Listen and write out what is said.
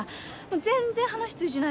全然話通じない